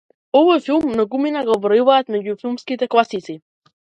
Овој филм многумина го вбројуваат меѓу филмските класици.